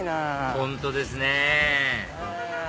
本当ですね